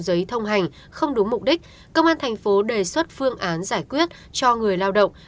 giấy thông hành không đúng mục đích công an thành phố đề xuất phương án giải quyết cho người lao động